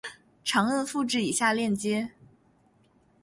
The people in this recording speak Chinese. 长按复制以下链接